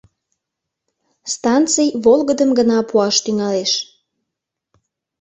Станций волгыдым гына пуаш тӱҥалеш.